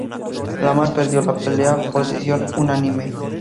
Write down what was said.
Lamas perdió la pelea por decisión unánime.